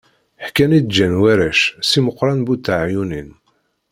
Ḥkan i d-ǧǧan warrac, Si Meqran bu teɛyunin.